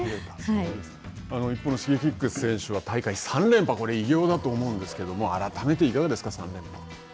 一方のＳｈｉｇｅｋｉｘ選手は、大会３連覇、これ、偉業だと思うんですが、改めていかがですか、３連覇。